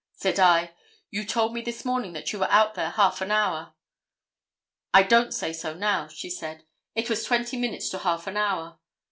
Said I 'You told me this morning that you were out there half an hour.' 'I don't say so now,' she said, 'It was twenty minutes to half an hour.